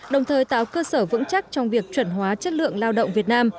đồng thời tạo cơ sở vững chắc trong việc chuẩn hóa chất lượng lao động việt nam